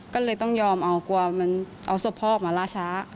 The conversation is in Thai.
ก็เลยต้องยอมเอากลัวมันเอาศพพ่อออกมาล่าช้า